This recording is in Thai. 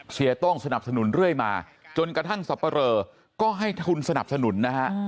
โต้งสนับสนุนเรื่อยมาจนกระทั่งสับปะเรอก็ให้ทุนสนับสนุนนะฮะ